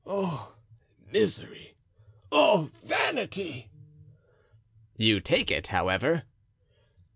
Oh, misery, oh, vanity!" "You take it, however."